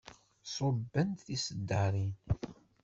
Ṣubbent tiseddaṛin.